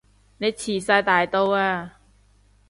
你遲哂大到啊